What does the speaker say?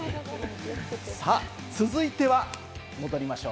さぁ続いては、戻りましょう。